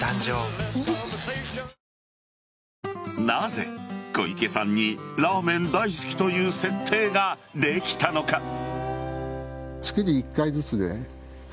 なぜ、小池さんにラーメン大好きという設定ができたのか。